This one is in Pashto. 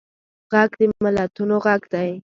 غږ د ملتونو غږ دی